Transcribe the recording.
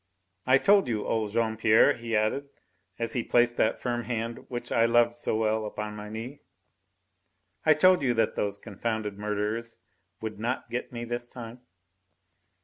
"I told you, old Jean Pierre," he added, as he placed that firm hand which I loved so well upon my knee, "I told you that those confounded murderers would not get me this time."